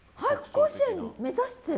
甲子園目指してる？